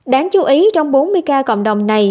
đáng chú ý trong bốn mươi ca cộng đồng này